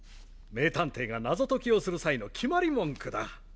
名探偵が謎解きをする際の決まり文句だ。